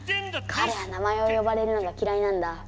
かれは名前をよばれるのがきらいなんだ。